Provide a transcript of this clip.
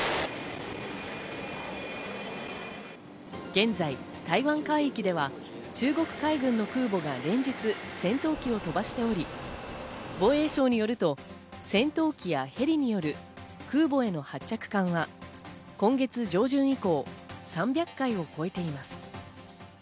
現在、台湾海域では中国海軍の空母が連日戦闘機を飛ばしており、防衛省によると、戦闘機やヘリによる空母への発着艦は今月上旬以降、３００回を超えています。